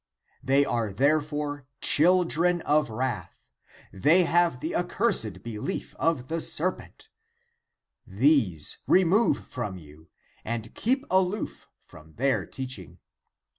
^* 20. [They are therefore children of wrath] 25 they have the accursed belief of the serpent ; 21. These remove from you, 26 and keep aloof from their teaching.